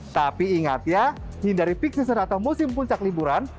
tapi ingat ya hindari piksiser atau musim puncak liburan